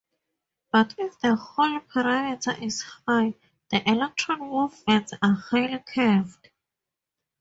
But if the Hall parameter is high, the electron movements are highly curved.